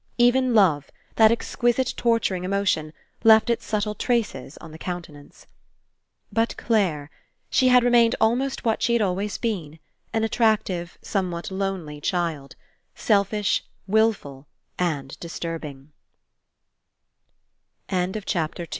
Even love, that exquisite tor turing emotion, left its subtle traces on the countenance. But Clare — she had remained almost what she had always been, an attractive, some what lonely child — selfish, wilful, and distur